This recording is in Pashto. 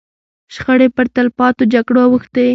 شخړې پر تلپاتو جګړو اوښتې.